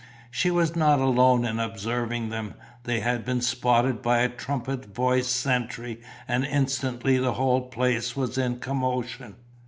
She was not alone in observing them. They had been spotted by a trumpet voiced sentry and instantly the whole place was in commotion.